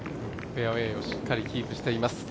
フェアウエーをしっかりキープしています。